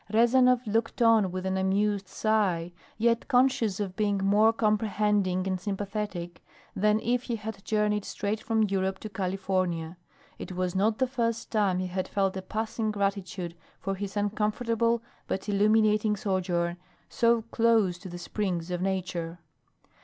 Rezanov looked on with an amused sigh, yet conscious of being more comprehending and sympathetic than if he had journeyed straight from Europe to California. It was not the first time he had felt a passing gratitude for his uncomfortable but illuminating sojourn so close to the springs of nature.